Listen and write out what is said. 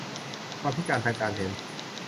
ความพิการทางการเห็น